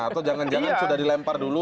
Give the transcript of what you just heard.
atau jangan jangan sudah dilempar dulu